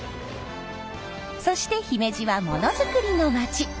そして姫路はモノづくりの街。